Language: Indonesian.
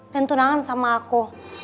dan tunangan sama aku